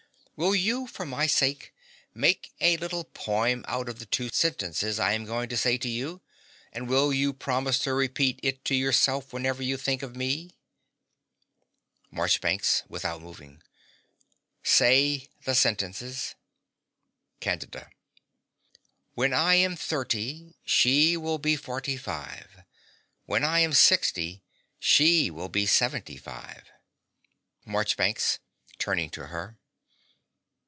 Will you, for my sake, make a little poem out of the two sentences I am going to say to you? And will you promise to repeat it to yourself whenever you think of me? MARCHBANKS (without moving). Say the sentences. CANDIDA. When I am thirty, she will be forty five. When I am sixty, she will be seventy five. MARCHBANKS (turning to her).